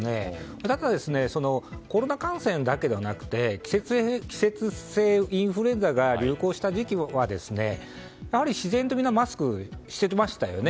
だってコロナ感染だけじゃなくて季節性インフルエンザが流行した時期は、やはり自然的にマスクをしてきましたよね。